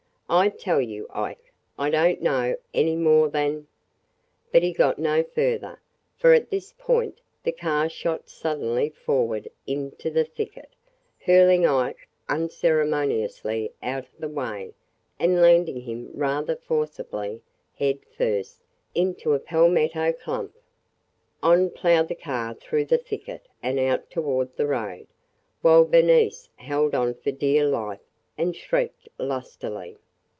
"I tell you, Ike, I don't know any more than –" But he got no farther, for at this point the car shot suddenly forward into the thicket, hurling Ike unceremoniously out of the way and landing him rather forcibly, head first, into a palmetto clump. On plowed the car through the thicket and out toward the road, while Bernice held on for dear life and shrieked lustily.